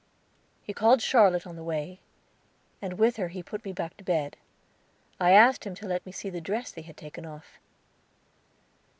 He called Charlotte on the way, and with her he put me to back to bed. I asked him to let me see the dress they had taken off.